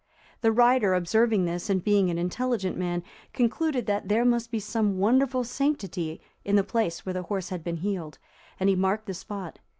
The rider observing this, and being an intelligent man, concluded that there must be some wonderful sanctity in the place where the horse had been healed, and he marked the spot.